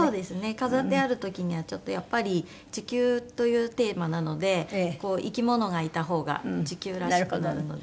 飾ってある時にはちょっとやっぱり「地球」というテーマなのでこう生き物がいたほうが地球らしくなるので。